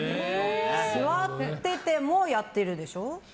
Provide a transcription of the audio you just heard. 座っててもやってるでしょ。